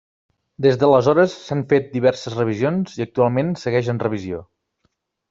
Des d'aleshores s'han fet diverses revisions i actualment segueix en revisió.